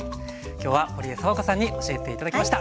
今日はほりえさわこさんに教えて頂きました。